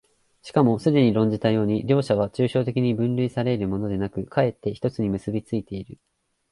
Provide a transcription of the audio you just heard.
しかもすでに論じたように、両者は抽象的に分離され得るものでなく、却って一つに結び付いている。